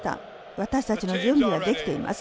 私たちの準備はできています。